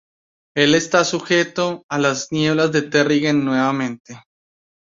Él está sujeto a las Nieblas de Terrigen nuevamente.